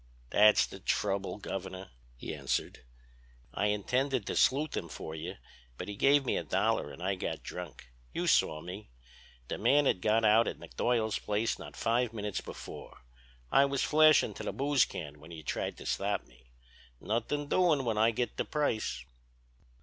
"'That's the trouble, Governor,' he answered; 'I intended to sleuth him for you, but he gave me a dollar and I got drunk... you saw me. That man had got out at McDuyal's place not five minutes before. I was flashin' to the booze can when you tried to stop me.... Nothin' doin' when I get the price.'"